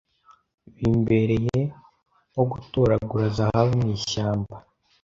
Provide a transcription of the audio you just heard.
bimbereye nkogutoragura zahabu mwishyamba